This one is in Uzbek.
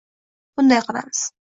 Bunday qilamiz.